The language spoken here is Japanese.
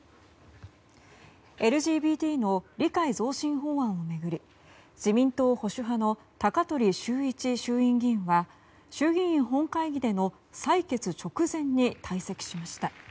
ＬＧＢＴの理解増進法案を巡り自民党保守派の高鳥修一衆院議員は衆議院本会議での採決直前に退席しました。